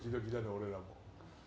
俺らも。